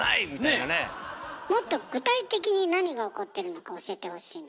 もっと具体的に何が起こってるのか教えてほしいの。